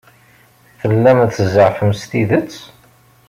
Tellam tzeɛfem s tidet?